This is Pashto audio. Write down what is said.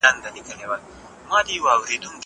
که وخت وي، امادګي نيسم!!